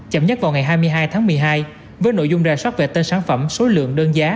chậm nhất vào ngày hai mươi hai tháng một mươi hai với nội dung rà soát về tên sản phẩm số lượng đơn giá